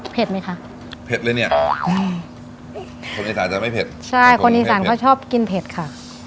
ไหมคะเผ็ดเลยเนี้ยอ๋อคนอีสานจะไม่เผ็ดใช่คนอีสานเขาชอบกินเผ็ดค่ะ